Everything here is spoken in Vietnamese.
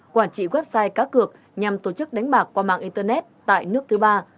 quản trị website cá cược nhằm tổ chức đánh bạc qua mạng internet tại nước thứ ba